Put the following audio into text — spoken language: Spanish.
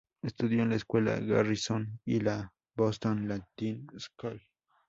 Estudió en la escuela Garrison y la Boston Latin School.